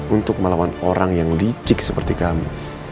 untuk melawan orang yang licik seperti kami